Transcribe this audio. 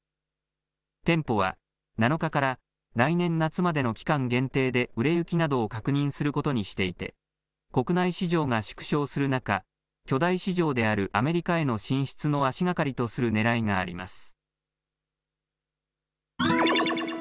店舗は７日から来年夏までの期間限定で売れ行きなどを確認することにしていて、国内市場が縮小する中、巨大市場であるアメリカへの進出の足がかりとするねらいがあります。